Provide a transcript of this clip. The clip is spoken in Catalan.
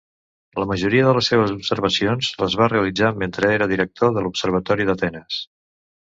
La majoria de les seves observacions les va realitzar mentre era director de l'Observatori d'Atenes.